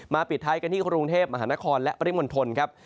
ปิดท้ายกันที่กรุงเทพมหานครและปริมณฑลครับ